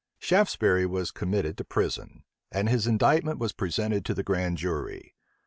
Shaftesbury was committed to prison, and his indictment was presented to the grand jury.